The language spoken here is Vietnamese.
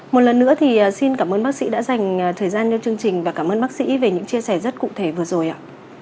một lần nữa thì xin cảm ơn bác sĩ đã dành thời gian cho chương trình và cảm ơn bác sĩ về những chia sẻ rất cụ thể vừa rồi ạ